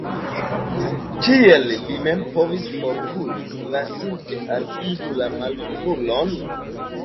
Kiel li mem povis forkuri, lasinte al ili la maljunulon?